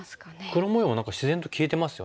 黒模様も何か自然と消えてますよね。